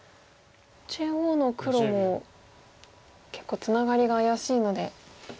中央の黒も結構ツナガリが怪しいので。